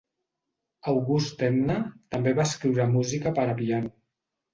August Enna també va escriure música per a piano.